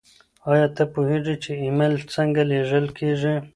ایا ته پوهېږې چې ایمیل څنګه لیږل کیږي؟